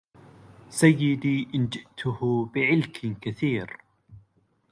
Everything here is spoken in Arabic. سيدي إن جئته بعلك كثير